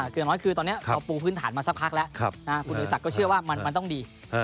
คืออย่างน้อยคือตอนนี้เราปูพื้นฐานมาสักพักแล้วคุณโดยศักดิ์ก็เชื่อว่ามันต้องดี